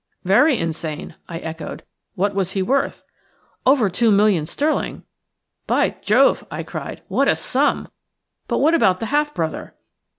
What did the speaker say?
"Very insane," I echoed. "What was he worth?" "Over two million sterling." "By Jove!" I cried, "what a sum! But what about the half brother?"